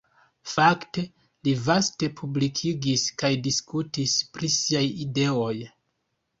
Fakte li vaste publikigis kaj diskutis pri siaj ideoj.